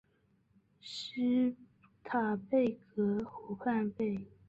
施坦贝格湖畔贝恩里特是德国巴伐利亚州的一个市镇。